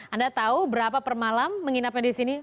anda tahu berapa per malam menginapnya di sini